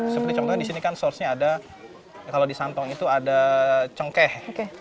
seperti contohnya disini kan sourcenya ada kalau di santong itu ada cengkeh